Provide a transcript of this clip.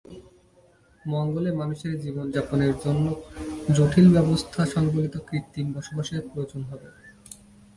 মঙ্গলে মানুষের জীবনযাপনের জন্য জটিল ব্যবস্থা সংবলিত কৃত্রিম বাসস্থানের প্রয়োজন হবে।